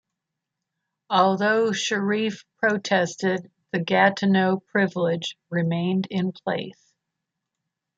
Although Shirreff protested, the "Gatineau Privilege" remained in place.